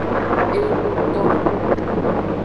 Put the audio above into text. Enutoxu.